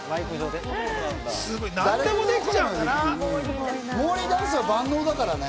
何でもできちゃうんだな。